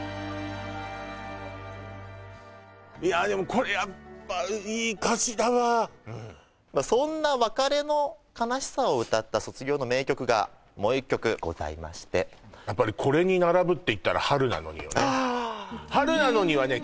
これやっぱいい歌詞だわそんな別れの悲しさを歌った卒業の名曲がもう１曲ございましてやっぱりこれに並ぶっていったら「春なのに」よね「春なのに」はね